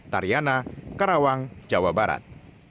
tariana karawang jawa barat